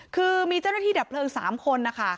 คือมีเจ้านัททีดับเปลือง๓คนนะคะ